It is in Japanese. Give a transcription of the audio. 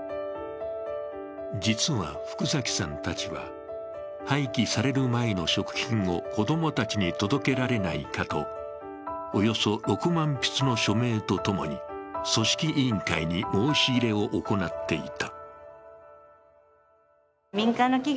実は福崎さんたちは、廃棄される前の食品を子供たちに届けられないかと、およそ６万筆の署名とともに、組織委員会に申し入れを行っていた。